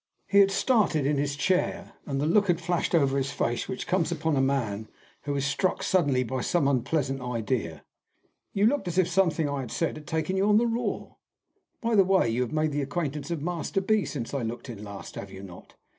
He had started in his chair, and the look had flashed over his face which comes upon a man who is struck suddenly by some unpleasant idea. "You looked as if something I had said had taken you on the raw. By the way, you have made the acquaintance of Master B. since I looked in last, have you not?